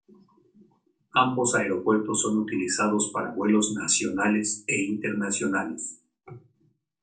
Ambos aeropuertos son utilizados para vuelos nacionales e internacionales.